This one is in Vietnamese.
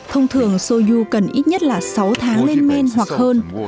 thông thường soju cần ít nhất là sáu tháng lên men hoặc hơn